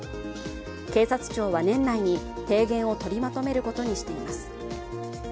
警察庁は年内に提言をとりまとめることにしています。